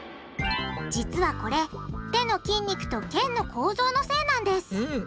実はこれ手の筋肉と腱の構造のせいなんですうん。